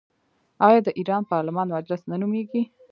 آیا د ایران پارلمان مجلس نه نومیږي؟